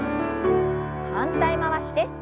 反対回しです。